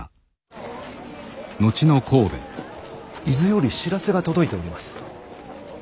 伊豆より知らせが届いております。